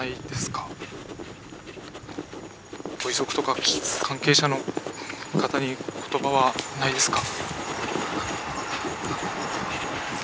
ご遺族とか関係者の方に言葉はないですか？